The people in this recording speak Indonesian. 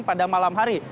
pada malam hari